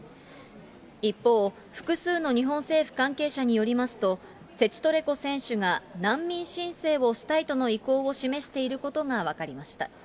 一方、複数の日本政府関係者によりますと、セチトレコ選手が難民申請をしたいとの意向を示していることが分かりました。